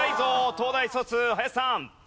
東大卒林さん。